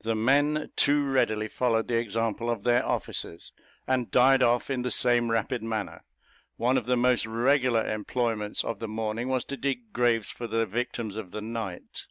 The men too readily followed the example of their officers, and died off in the same rapid manner; one of the most regular employments of the morning was to dig graves for the victims of the night.